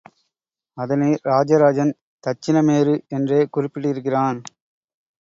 அதனை ராஜராஜன் தட்சிண மேரு என்றே குறிப்பிட்டிருக்கிறான்.